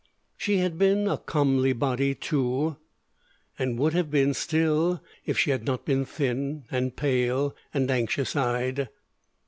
She had been a comely body, too; and would have been still, if she had not been thin and pale and anxious eyed.